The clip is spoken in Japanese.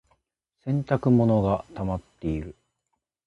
洗濯物がたまっている。